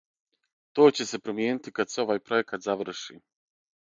То ће се промијенити кад се овај пројекат заврши.